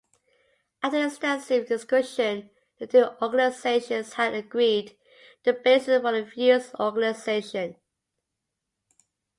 After extensive discussions, the two organisations had agreed the basis for a fused organisation.